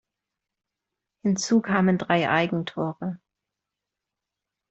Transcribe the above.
Hinzu kamen drei Eigentore.